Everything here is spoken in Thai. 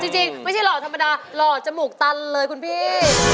จริงไม่ใช่หล่อธรรมดาหล่อจมูกตันเลยคุณพี่